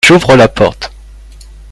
J'ouvre la porte.